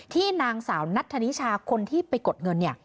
ที่นางสาวนัทธานิชาศุกรคนที่ไปกดเงิน